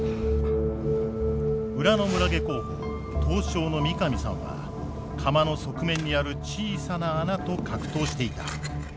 裏の村下候補刀匠の三上さんは釜の側面にある小さな穴と格闘していた。